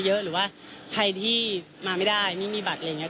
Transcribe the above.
หรือว่าใครที่มาไม่ได้ไม่มีบัตรอะไรอย่างนี้